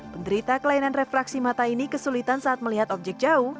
penderita kelainan refraksi mata ini kesulitan saat melihat objek jauh